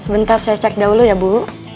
bentar saya cek dahulu ya bu